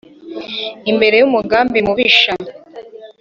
imbere y’ uwo mugambi mubisha.